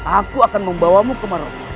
aku akan membawamu ke mero